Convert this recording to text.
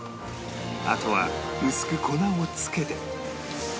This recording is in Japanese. あとは薄く粉をつけて